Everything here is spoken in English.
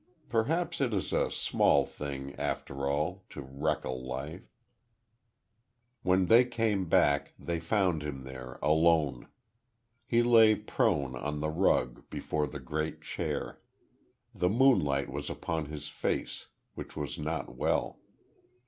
Perhaps it is a small thing, after all, to wreck a life. When they came back, they found him there, alone. He lay prone, on the rug, before the great chair. The moonlight was upon his face; which was not well.